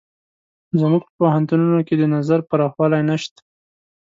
زموږ په پوهنتونونو کې د نظر پراخوالی نشته.